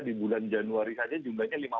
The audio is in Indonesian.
di bulan januari saja jumlahnya